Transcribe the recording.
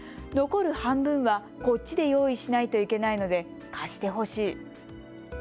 残る半分はこっちで用意しないといけないので貸してほしい。